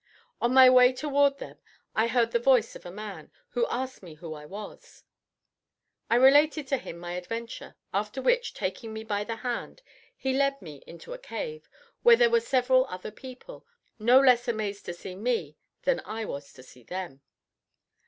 On my way toward them I heard the voice of a man, who asked me who I was. I related to him my adventure, after which, taking me by the hand, he led me into a cave, where there were several other people, no less amazed to see me than I was to see them.